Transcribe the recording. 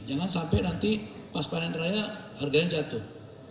jangan sampai nanti pas panen raya harganya jatuh